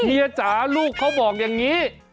เฮีจ๋าลูกเขาบอกอย่างนี้